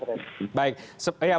saya pikir itu mas ren